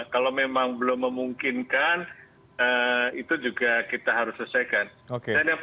kalau memang belum memungkinkan itu juga kita harus selesaikan